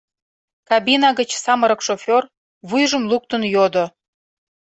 Кабина гыч самырык шофер, вуйжым луктын, йодо: